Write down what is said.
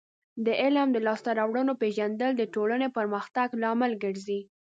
د علم د لاسته راوړنو پیژندل د ټولنې پرمختګ لامل ګرځي.